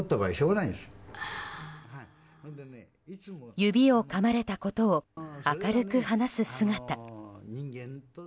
指をかまれたことを明るく話す姿。